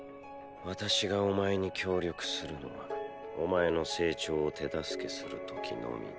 私がお前に協力するのはお前の成長を手助けする時のみだ。